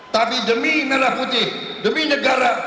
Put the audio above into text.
tapi demi merah putih demi negara